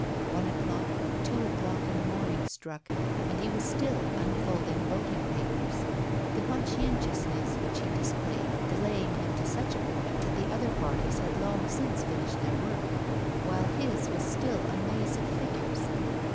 One o'clock, two o'clock in the morning struck, and he was still unfolding voting papers, the conscientiousness which he displayed delaying him to such a point that the other parties had long since finished their work, while his was still a maze of figures.